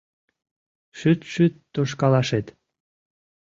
Шӱт-шӱт тошкалашет